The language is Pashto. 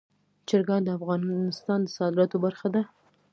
چرګان د افغانستان د صادراتو برخه ده.